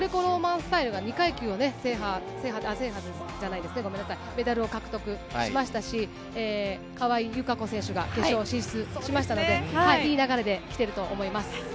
スタイルが２階級、メダルを獲得しましたし、川井友香子選手が決勝進出しましたのでいい流れできていると思います。